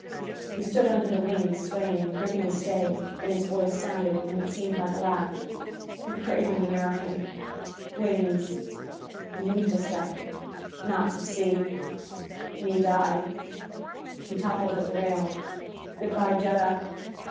He stood under the wing, swaying, gripping a stay. Then his voice sounded, and it seemed like a laugh. "The craven American wins." He moved a step. "Not to see me die " He toppled at the rail. "Good by, Jetta."